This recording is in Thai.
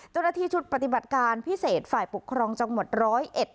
เจ้าหน้าที่ชุดปฏิบัติการพิเศษฝ่ายปกครองจังหวัดร้อยเอ็ด